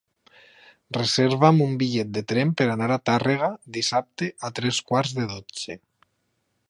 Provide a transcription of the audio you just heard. Reserva'm un bitllet de tren per anar a Tàrrega dissabte a tres quarts de dotze.